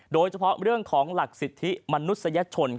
โดยเฉพาะเรื่องของหลักสิทธิมนุษยชน